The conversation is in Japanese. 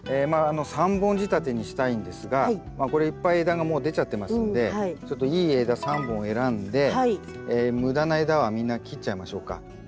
３本仕立てにしたいんですがこれいっぱい枝がもう出ちゃってますんでちょっといい枝３本選んで無駄な枝はみんな切っちゃいましょうか。